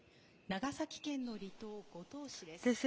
長崎県の離島、五島市です。